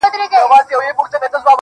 چې د بل کلي ليوني نه راپريږدي کلې ته